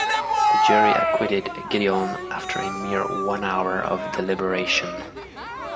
The jury acquitted Gideon after a mere one hour of deliberation.